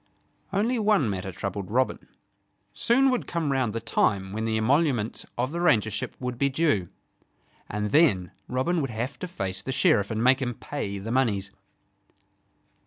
Only one matter troubled Robin. Soon would come round the time when the emoluments of the Rangership would be due; and then Robin would have to face the Sheriff and make him pay the moneys.